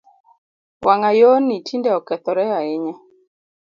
Wangayoo ni tinde okethoree ahinya